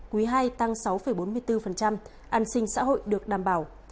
quý ii tăng sáu bốn mươi bốn an sinh xã hội được đảm bảo